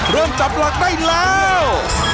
เริ่มจับหลักได้แล้ว